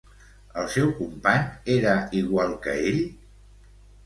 El seu company era igual que ell?